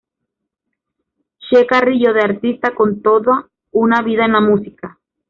Che Carrillo de artista con toda una vida en la música.